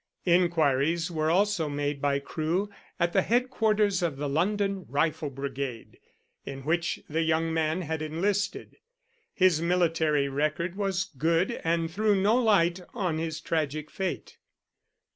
Inquiries were also made by Crewe at the headquarters of the London Rifle Brigade, in which the young man had enlisted. His military record was good, and threw no light on his tragic fate.